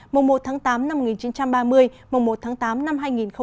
mùa một tháng tám năm một nghìn chín trăm ba mươi mùng một tháng tám năm hai nghìn hai mươi